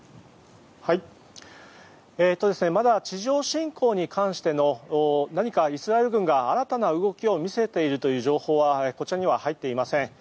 まだ地上侵攻に関して何かイスラエル軍が新たな動きを見せているという情報はこちらには入っていません。